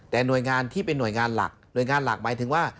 แต่หน่วยงานที่เป็นหน่วยงานหลักหน่วยงานหลักหมายถึงว่า